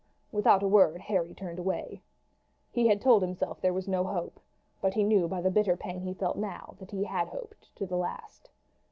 Without a word Harry turned away. He had told himself there was no hope; but he knew by the bitter pang he felt now that he had hoped to the last.